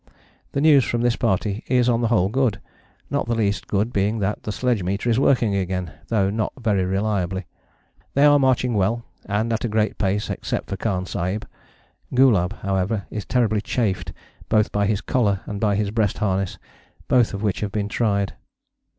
The news from this party is on the whole good, not the least good being that the sledge meter is working again, though not very reliably. They are marching well, and at a great pace, except for Khan Sahib. Gulab, however, is terribly chafed both by his collar and by his breast harness, both of which have been tried.